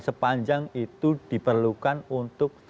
sepanjang itu diperlukan untuk